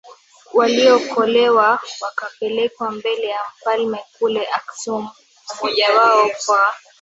waliokolewa wakapelekwa mbele ya mfalme kule Aksum Mmojawao kwa